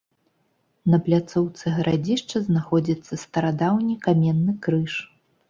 На пляцоўцы гарадзішча знаходзіцца старадаўні каменны крыж.